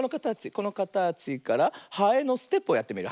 このかたちからハエのステップをやってみる。